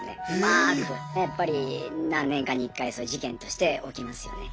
やっぱり何年かに１回はそういう事件として起きますよね。